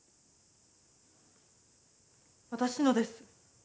私のです。